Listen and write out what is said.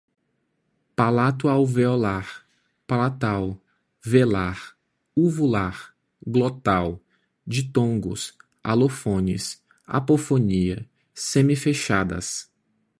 Palato-alveolar, palatal, velar, uvular, glotal, ditongos, alofones, apofonia, semifechadas